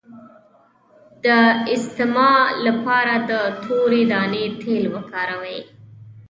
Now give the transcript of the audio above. د استما لپاره د تورې دانې تېل وکاروئ